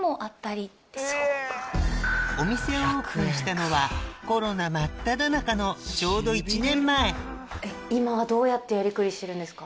お店をオープンしたのはコロナ真っただ中のちょうど１年前今はどうやってやりくりしてるんですか？